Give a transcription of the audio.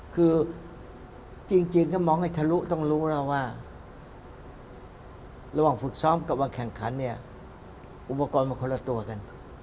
คือจริงถ้ามองให้ทะลุต้องรู้แล้วว่าระหว่างฝึกซ้อมกับวันแข่งขันเนี่ยอุปกรณ์มันคนละตัวกัน